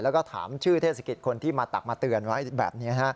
แล้วก็ถามชื่อเทศกิจคนที่มาตักมาเตือนไว้แบบนี้